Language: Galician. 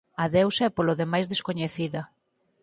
A deusa é polo demais descoñecida.